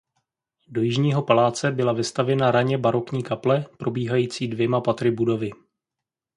Do jižního paláce byla vestavěna raně barokní kaple probíhající dvěma patry budovy.